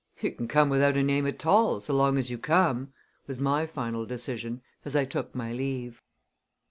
"You can come without a name at all, so long as you come," was my final decision as I took my leave.